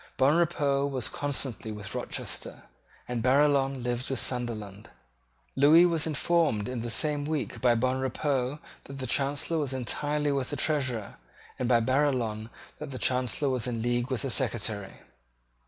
Bonrepaux was constantly with Rochester; and Barillon lived with Sunderland. Lewis was informed in the same week by Bonrepaux that the Chancellor was entirely with the Treasurer, and by Barillon that the Chancellor was in league with the Secretary.